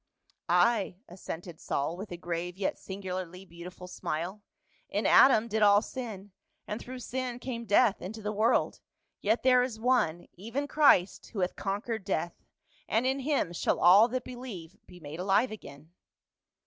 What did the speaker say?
"Ay," assented Saul, with a grave yet singularly beautiful smile. " In Adam did all sin, and through sin came death into the world ; yet there is one, even Christ, who hath conquered death, and in him shall all that believe be made alive again."